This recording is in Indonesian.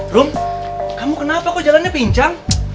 rum kamu kenapa kok jalannya pincang